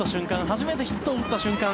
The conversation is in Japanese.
初めてヒットを打った瞬間